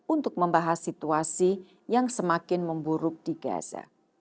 untuk membahas situasi yang semakin memburuk di gaza